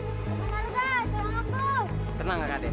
oh untuk ada pahaman makanya raden jangan keluar istana tanpa pengawalan